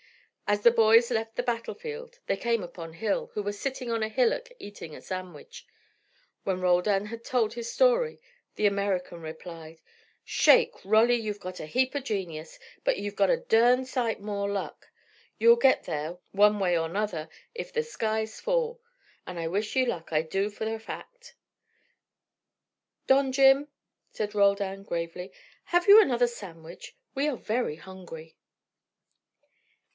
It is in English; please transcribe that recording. As the boys left the battlefield they came upon Hill, who was sitting on a hillock eating a sandwich. When Roldan had told his story the American replied: "Shake! Rolly, you've got a heap o' genius, but you've got a durned sight more luck. You'll git there one way or nother if the skies fall. And I wish ye luck, I do for a fact." "Don Jim," said Roldan, gravely, "have you another sandwich? We are very hungry."